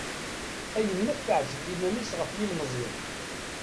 Ayen akk teɛzel iman-is ɣef yilmeẓyen.